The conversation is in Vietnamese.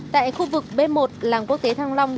tại khu vực b một làng quốc tế thăng long